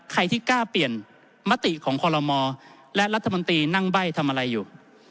ใครที่กล้าเปลี่ยนมติของคอลโลมและรัฐมนตรีนั่งใบ้ทำอะไรอยู่